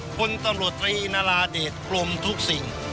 พลตำรวจตรีนาราเดชกลมทุกสิ่ง